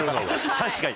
確かに。